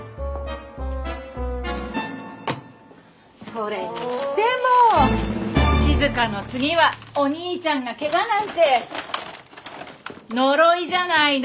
それにしても静の次はお兄ちゃんがけがなんて呪いじゃないの？